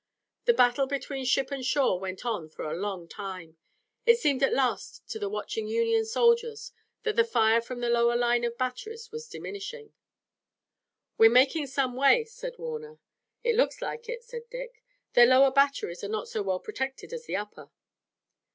The battle between ship and shore went on for a long time. It seemed at last to the watching Union soldiers that the fire from the lower line of batteries was diminishing. "We're making some way," said Warner. "It looks like it," said Dick. "Their lower batteries are not so well protected as the upper."